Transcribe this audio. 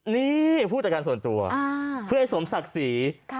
นี่ผู้จัดการส่วนตัวเพื่อให้สมศักดิ์ศรี